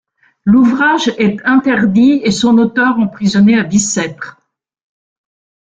L'ouvrage est interdit et son auteur emprisonné à Bicêtre.